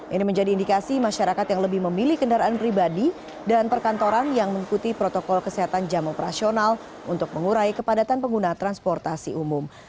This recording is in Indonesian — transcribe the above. ini menjadi indikasi masyarakat yang lebih memilih kendaraan pribadi dan perkantoran yang mengikuti protokol kesehatan jam operasional untuk mengurai kepadatan pengguna transportasi umum